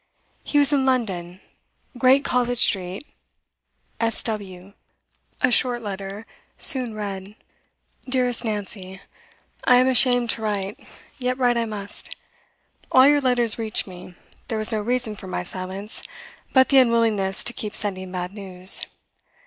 He was in London; 'Great College Street, S. W.' A short letter, soon read. DEAREST NANCY, I am ashamed to write, yet write I must. All your letters reached me; there was no reason for my silence but the unwillingness to keep sending bad news.